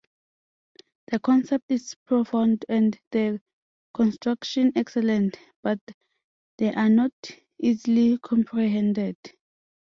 The conception is profound and the construction excellent, but they are not easily comprehended.